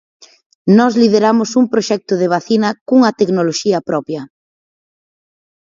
Nós lideramos un proxecto de vacina cunha tecnoloxía propia.